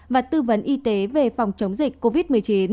và tư vấn y tế về phòng chống dịch covid một mươi chín